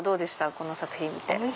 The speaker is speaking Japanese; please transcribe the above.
この作品見て。